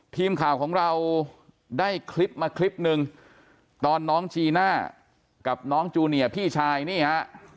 ทีมข่าวของเราได้คลิปมาคลิปหนึ่งตอนน้องจีน่ากับน้องจูเนียพี่ชายนี่ฮะ